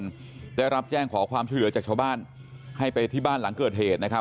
ได้รับแจ้งขอความช่วยเหลือจากชาวบ้านให้ไปที่บ้านหลังเกิดเหตุนะครับ